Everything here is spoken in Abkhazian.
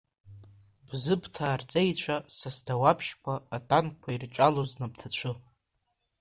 Бзыԥҭаа рҵеицәа са сдауаԥшьқәа, атанкқәа ирҿалоз напҭацәы.